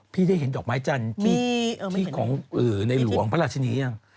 พี่ได้เห็นดอกไม้จันทร์ของในหลวงพระราชนียัง